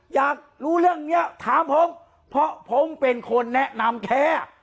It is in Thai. อยากรู้เรื่องเนี้ยถามผมเพราะผมเป็นคนแนะนำแค่